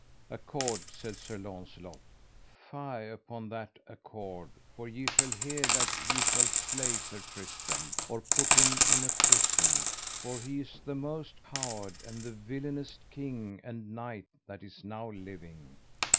Accord, said Sir Launcelot, fie upon that accord, for ye shall hear that he shall slay Sir Tristram, or put him in a prison, for he is the most coward and the villainest king and knight that is now living.